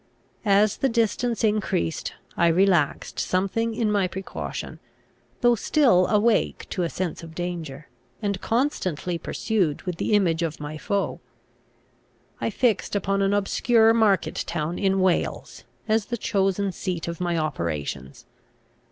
As the distance increased, I relaxed something in my precaution, though still awake to a sense of danger, and constantly pursued with the image of my foe. I fixed upon an obscure market town in Wales as the chosen seat of my operations.